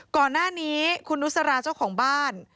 ก่อนหน้านี้คุณนุสราเจ้าของบ้าน